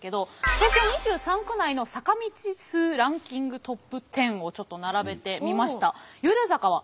東京２３区内の坂道数ランキングトップ１０をちょっと並べてみました。